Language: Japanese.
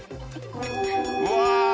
うわ。